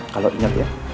kalau inget ya